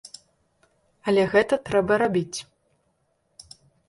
Але гэта трэба рабіць.